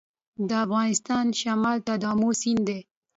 د افغانستان شمال ته امو سیند دی